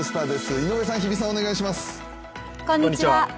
井上さん、日比さん、お願いします。